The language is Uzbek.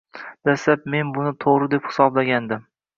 Dastlab men buni to’g’ri deb hisoblagandim